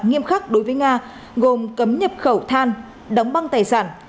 nghiêm khắc đối với nga gồm cấm nhập khẩu than đóng băng tài sản